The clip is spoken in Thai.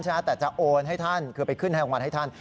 แต่จะโอนให้ท่านคือไปขึ้นให้รางวัลให้ท่าน